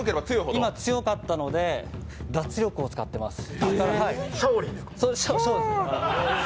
今、強かったので脱力を使っています。